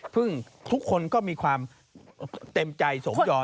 เพิ่งทุกคนก็มีความเต็มใจสมย้อน